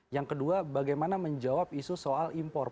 yang kedua bagaimana menjawab isu soal impor